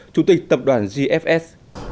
chủ tịch tập đoàn gfs